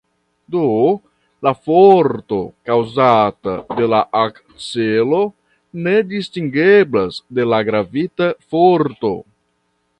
Do la forto kaŭzata de la akcelo ne distingeblas de la gravita forto.